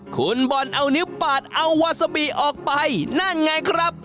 คุณบอลเอานิ้วปาดเอาวาซาบิออกไปนั่นไงครับ